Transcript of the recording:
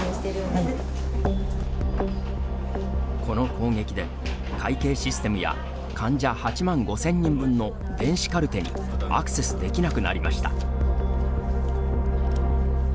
この攻撃で、会計システムや患者８万５０００人分の電子カルテにアクセスできなくなりました。